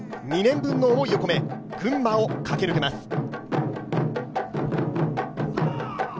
２年分の思いを込め群馬を駆け抜けます。